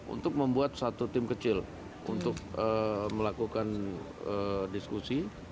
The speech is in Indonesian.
untuk membuat satu tim kecil untuk melakukan diskusi